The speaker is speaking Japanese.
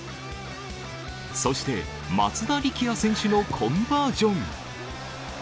そして松田力也選手のコンバージョン。